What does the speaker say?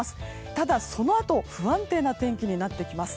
ただ、そのあと不安定な天気になってきます。